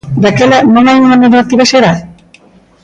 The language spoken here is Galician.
Daquela, non hai unha normativa xeral?